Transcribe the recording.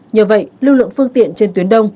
nhờ vậy lưu lượng phương tiện trên tuyến đông